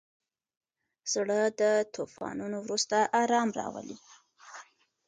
زړه د طوفانونو وروسته ارام راولي.